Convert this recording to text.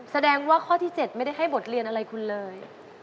แสดงว่าข้อที่๗ไม่ได้ให้บทเรียนอะไรคุณเลย